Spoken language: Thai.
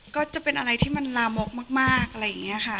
ก็จะเป็นอะไรที่มันลามกมากอะไรอย่างนี้ค่ะ